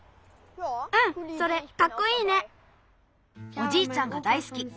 おじいちゃんがだいすき。